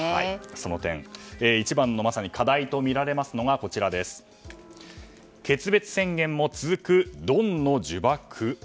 その点一番の課題とみられるのが決別宣言も、続くドンの呪縛。